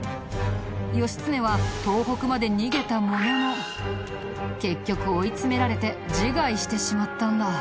義経は東北まで逃げたものの結局追い詰められて自害してしまったんだ。